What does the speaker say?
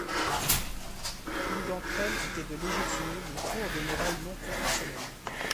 Une d’entre-elles était de légitimer les cours de morale non confessionnelle.